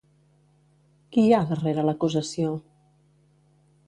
Qui hi ha darrere l'acusació?